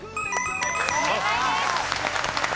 正解です。